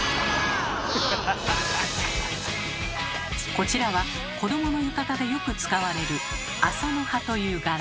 こちらは子どもの浴衣でよく使われる「麻の葉」という柄。